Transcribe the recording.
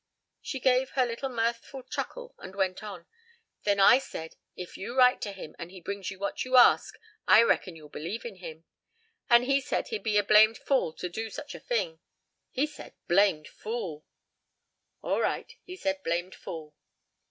She gave her little mirthful chuckle and went on. "Then I said, 'if you write to him, and he brings you what you ask, I reckon you'll believe in him,' and he said he'd be a blamed fool to do such a fing. He said blamed fool " "All right, he said blamed fool."